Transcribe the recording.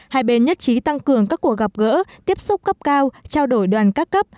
hai bên nhất trí tăng cường các cuộc gặp gỡ tiếp xúc cấp cao trao đổi đoàn các cấp